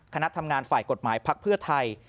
คณะทำงานฝ่ายกฎหมายพักเพื่อไทย